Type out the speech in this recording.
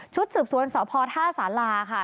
สืบสวนสพท่าสาราค่ะ